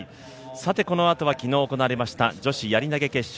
このあとは昨日行われました女子やり投決勝